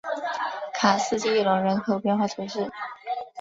卡斯蒂隆人口变化图示